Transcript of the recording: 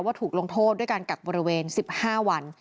ถูกลงโทษด้วยการกักบริเวณ๑๕วัน